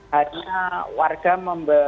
hanya warga membe